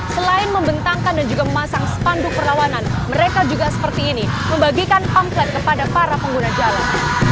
selain membentangkan dan juga memasang spanduk perlawanan mereka juga seperti ini membagikan komplek kepada para pengguna jalan